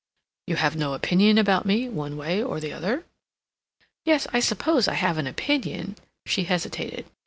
"You have no opinion about me one way or the other?" "Yes, I suppose I have an opinion—" she hesitated.